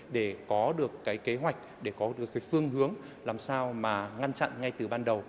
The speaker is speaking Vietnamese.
để có được kế hoạch để có được phương hướng làm sao ngăn chặn ngay từ ban đầu